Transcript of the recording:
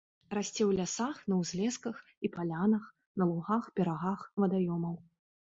Расце ў лясах, на ўзлесках і палянах, на лугах, берагах вадаёмаў.